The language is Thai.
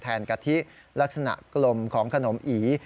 กะทิลักษณะกลมของขนมอี